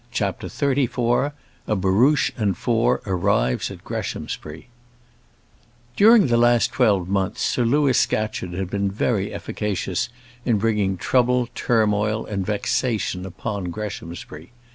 CHAPTER XXXIV A Barouche and Four Arrives at Greshamsbury During the last twelve months Sir Louis Scatcherd had been very efficacious in bringing trouble, turmoil, and vexation upon Greshamsbury.